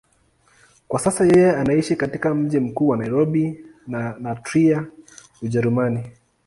Kwa sasa yeye anaishi katika mji mkuu wa Nairobi na Trier, Ujerumani.